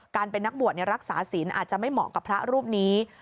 เป็นนักบวชรักษาศิลป์อาจจะไม่เหมาะกับพระรูปนี้